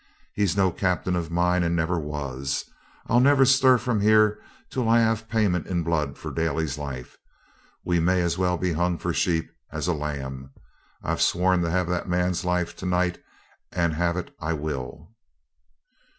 'He's no Captain of mine, and never was. I'll never stir from here till I have payment in blood for Daly's life. We may as well be hung for a sheep as a lamb. I've sworn to have that man's life to night, and have it I will.'